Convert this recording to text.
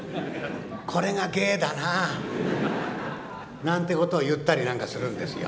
これが芸だなぁ。なんてことを言ったりなんかするんですよ。